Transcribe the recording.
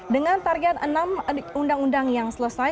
dengan target enam undang undang yang selesai